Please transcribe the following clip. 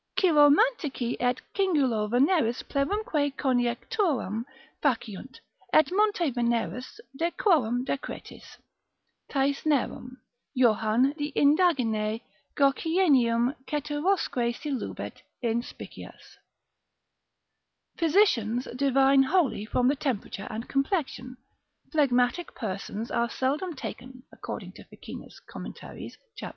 Chiromantici ex cingulo Veneris plerumque conjecturam faciunt, et monte Veneris, de quorum decretis, Taisnerum, Johan. de Indagine, Goclenium, ceterosque si lubet, inspicias. Physicians divine wholly from the temperature and complexion; phlegmatic persons are seldom taken, according to Ficinus Comment, cap.